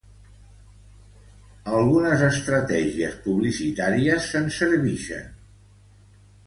Algunes estratègies publicitàries se'n servixen.